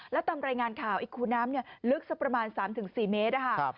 แล้วตามรายงานข่าวไอ้คูน้ำลึกสักประมาณ๓๔เมตรนะคะ